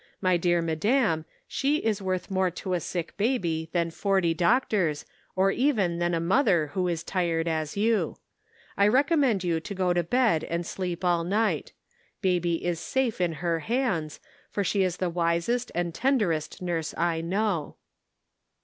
My dear madam, she is worth more to a sick baby than forty doctors, or even than a mother who is tired as you. I recommend you to go to bed and slaep all night. Baby is safe in her hands, for she is the wisest and ten derest nurse I know."